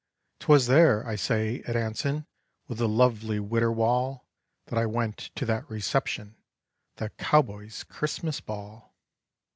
'Twas there, I say, at Anson with the lovely Widder Wall, That I went to that reception, the Cowboy's Christmas Ball.